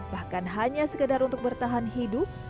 bahkan hanya sekedar untuk bertahan hidup